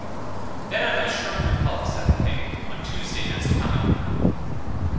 Then am I sure of your help, said the king, on Tuesday next coming.